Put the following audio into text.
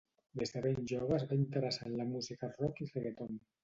Des de ben jove es va interessar en la música rock i reggaeton.